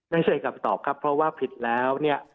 ไม่ใช่คำตอบครับเพราะว่าผิดแล้วเนี่ย